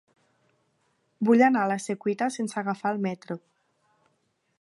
Vull anar a la Secuita sense agafar el metro.